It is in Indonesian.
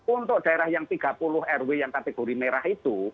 untuk daerah yang tiga puluh rw yang kategori merah itu